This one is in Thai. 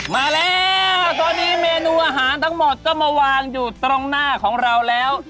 มาแล้วตอนนี้เมนูอาหารทั้งหมดก็มาวางอยู่ตรงหน้าของเราแล้ว